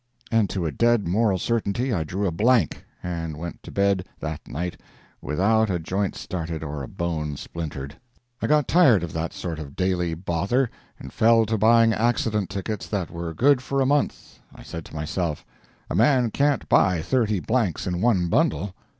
And to a dead moral certainty I drew a blank, and went to bed that night without a joint started or a bone splintered. I got tired of that sort of daily bother, and fell to buying accident tickets that were good for a month. I said to myself, "A man can't buy thirty blanks in one bundle."